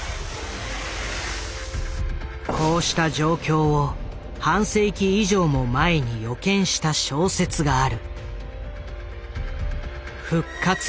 こうした状況を半世紀以上も前に予見した小説がある。